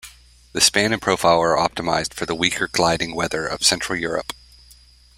The span and profile are optimised for the weaker gliding weather of central Europe.